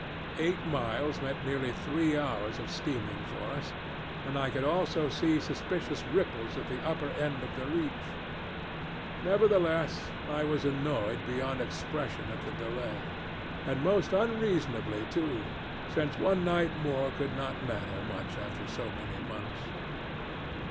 Eight miles meant nearly three hours' steaming for us, and I could also see suspicious ripples at the upper end of the reach. Nevertheless, I was annoyed beyond expression at the delay, and most unreasonably too, since one night more could not matter much after so many months.